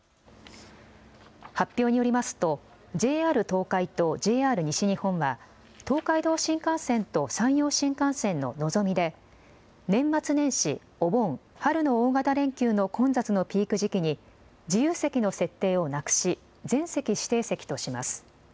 発表によりますとＪＲ東海とＪＲ西日本は東海道新幹線と山陽新幹線ののぞみで年末年始、お盆、春の大型連休の混雑のピーク時期に自由席の設定をなくし全席指定席とします。